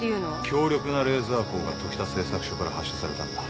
強力なレーザー光が時田製作所から発射されたんだ。